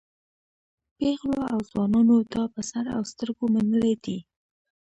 پېغلو او ځوانانو دا په سر او سترګو منلی دی.